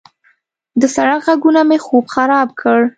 د سړک غږونه مې خوب خراب کړ.